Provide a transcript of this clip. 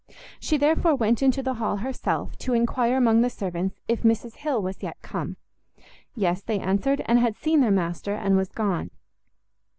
She therefore went into the hall herself, to enquire among the servants if Mrs Hill was yet come? Yes, they answered, and had seen their master, and was gone.